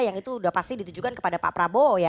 yang itu udah pasti ditujukan kepada pak prabo